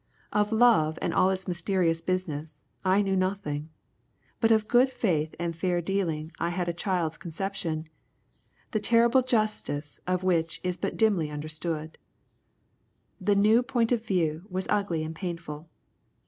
Of love and all its mysterious business, I knew nothing. But of good faith and fair dealing I had a child's conception, the terrible justness of which is but dimly understood. The new point of view was ugly and painful.